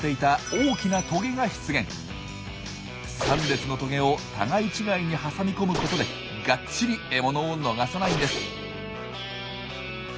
３列のトゲを互い違いに挟み込むことでがっちり獲物を逃さないんです。